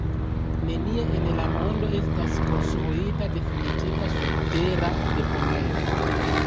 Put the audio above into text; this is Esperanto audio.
Nenie en la mondo estas konstruita definitiva subtera deponejo.